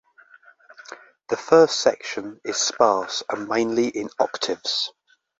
The first section is sparse and mainly in octaves.